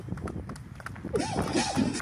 The new village was called Boveney New Town.